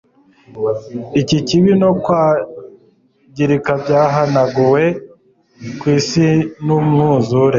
Iki kibi no kwangirika byahanaguwe ku isi numwuzure